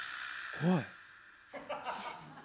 怖い。